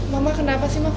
mama kenapa sih mama